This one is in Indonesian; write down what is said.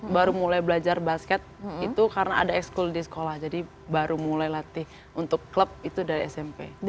baru mulai belajar basket itu karena ada exchool di sekolah jadi baru mulai latih untuk klub itu dari smp